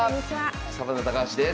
サバンナ高橋です。